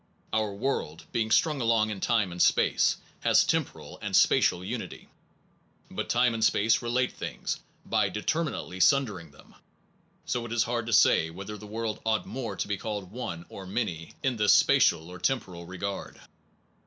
Our world, being strung along in time and space, has tem poral and spatial unity. But time and space relate things by determinately sundering them, so it is hard to say whether the world ought 127 SOME PROBLEMS OF PHILOSOPHY more to be called one or ( many in this spatial or temporal regard.